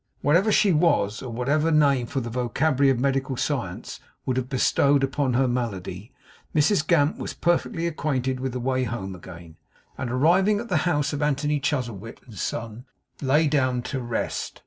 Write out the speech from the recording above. Whatever she was, or whatever name the vocabulary of medical science would have bestowed upon her malady, Mrs Gamp was perfectly acquainted with the way home again; and arriving at the house of Anthony Chuzzlewit & Son, lay down to rest.